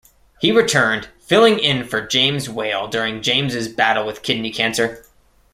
He returned, filling in for James Whale during James's battle with kidney cancer.